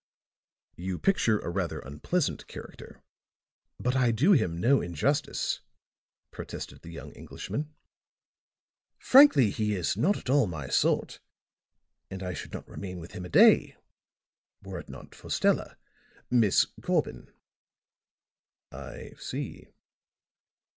"You picture a rather unpleasant character." "But I do him no injustice," protested the young Englishman. "Frankly, he is not at all my sort; and I should not remain with him a day, were it not for Stella Miss Corbin." "I see."